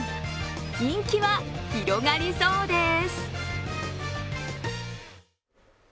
人気は広がりそうです。